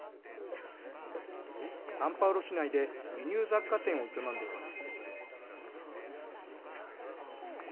サンパウロ市内で輸入雑貨店を営んでいます。